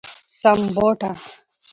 سمبوټه